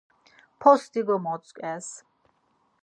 Post̆i gomotzǩes.